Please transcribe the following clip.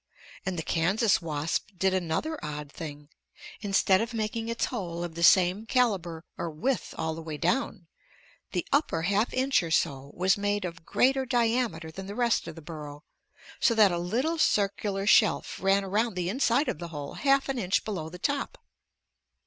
And the Kansas wasp did another odd thing. Instead of making its hole of the same caliber or width all the way down, the upper half inch or so was made of greater diameter than the rest of the burrow so that a little circular shelf ran around the inside of the hole half an inch below the top.